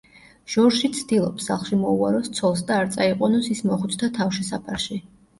ჟორჟი ცდილობს, სახლში მოუაროს ცოლს და არ წაიყვანოს ის მოხუცთა თავშესაფარში.